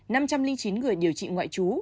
năm trăm linh chín người đến khám bệnh